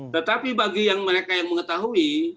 tetapi bagi yang mereka yang mengetahui